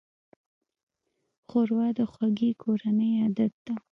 ښوروا د خوږې کورنۍ عادت ده.